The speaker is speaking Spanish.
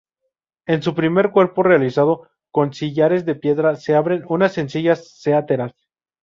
En su primer cuerpo realizado con sillares de piedra, se abren unas sencillas saeteras.